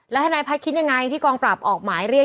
ทนายพัฒน์คิดยังไงที่กองปราบออกหมายเรียก